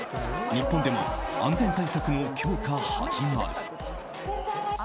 日本でも安全対策の強化始まる。